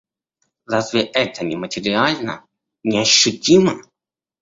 Разве это не материально, не ощутимо?